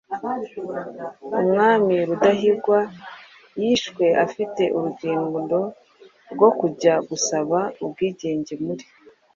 Umwami Rudahigwa yishwe afite urugendo rwo kujya gusaba ubwigenge muri